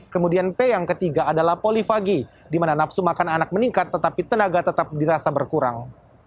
kemudian p yang ketiga adalah polifagi di mana nafsu makan anak meningkat tetapi tenaga tetap dirasa berkurang